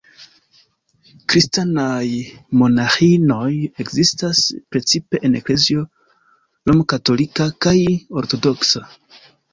Kristanaj monaĥinoj ekzistas precipe en eklezio romkatolika kaj ortodoksa.